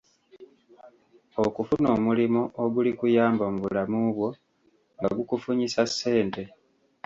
Okufuna omulimo ogulikuyamba mu bulamu bwo, nga gukufunyisa ssente.